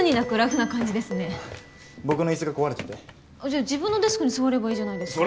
じゃあ自分のデスクに座ればいいじゃないですか。